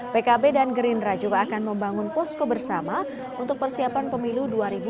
pkb dan gerindra juga akan membangun posko bersama untuk persiapan pemilu dua ribu dua puluh